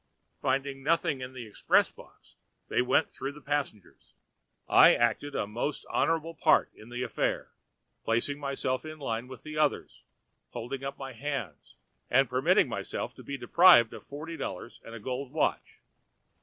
Finding nothing in the express box, they went through the passengers. I acted a most honorable part in the affair, placing myself in line with the others, holding up my hands and permitting myself to be deprived of forty dollars and a gold watch.